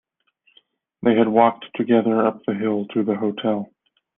They had walked together up the hill to the hotel.